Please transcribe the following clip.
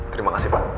terima kasih pak